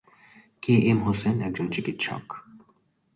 কে M Hossain একজন চিকিৎসক।